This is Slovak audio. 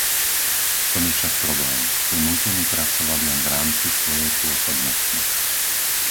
V tom je však problém. Sú nútení pracovať len v rámci svojej pôsobnosti.